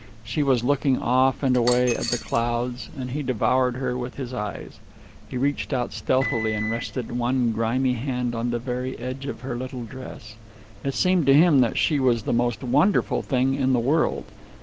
She was looking off and away at the clouds, and he devoured her with his eyes. He reached out stealthily and rested one grimy hand on the very edge of her little dress. It seemed to him that she was the most wonderful thing in the world.